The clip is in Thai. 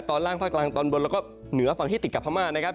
ตอนล่างภาคกลางตอนบนแล้วก็เหนือฝั่งที่ติดกับพม่านะครับ